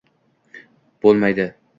Bo‘l – may – di.